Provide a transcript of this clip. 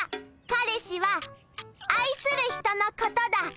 カレシはあいする人のことだ。